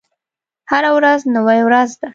هره ورځ نوې ورځ ده